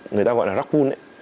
người ta gọi là rock pool